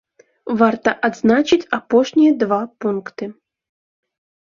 Варта адзначыць апошнія два пункты.